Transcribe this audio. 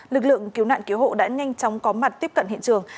lực lượng cứu nạn cứu hộ đã nhanh chóng có mặt tiếp cận hiện trường